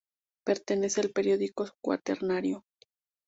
Pertenece al período cuaternario.